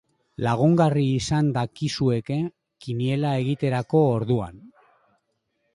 Lagungarri izan dakizueke kiniela egiterako orduan.